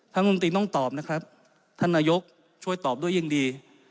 รัฐมนตรีต้องตอบนะครับท่านนายกช่วยตอบด้วยยิ่งดี